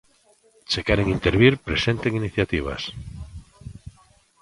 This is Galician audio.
Se queren intervir, presenten iniciativas.